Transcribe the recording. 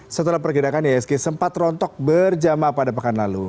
setelah pergerakan isk sempat rontok berjamaah pada pekan lalu